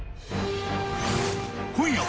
［今夜は］